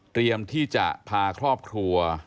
เตรียมที่จะพาครอบครัว